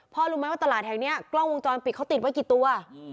รู้ไหมว่าตลาดแห่งนี้กล้องวงจรปิดเขาติดไว้กี่ตัว